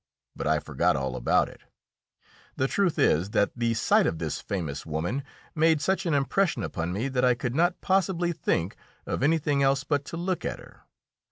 But I forgot all about it. The truth is, that the sight of this famous woman made such an impression upon me that I could not possibly think of anything else but to look at her.